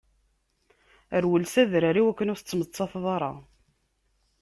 Rwel s adrar iwakken ur tettmettateḍ ara.